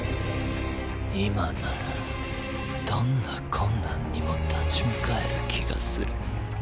今ならどんな困難にも立ち向かえる気がする。